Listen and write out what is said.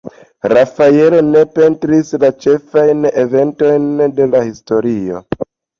Rafaelo ne pentris la ĉefajn eventojn de la historio.